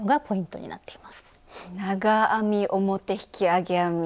長編み表引き上げ編み。